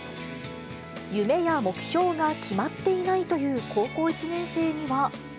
夢や目標が決まっていないという高校１年生には。